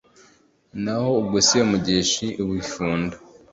Naho ubwo Semugeshi i Bufundu